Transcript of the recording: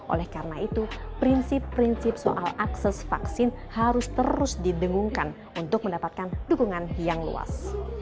oleh karena itu prinsip prinsip soal akses vaksin harus terus didengungkan untuk mendapatkan dukungan yang luas